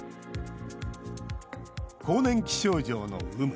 更年期症状の有無